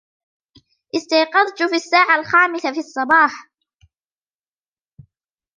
استيقظت في الساعة الخامسة في الصباح